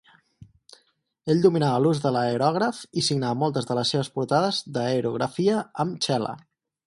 Ell dominava l'ús de l'aerògraf i signava moltes de les seves portades d'aerografia amb "Xela".